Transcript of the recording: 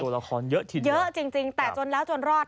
ละครเยอะทีเดียวเยอะจริงแต่จนแล้วจนรอด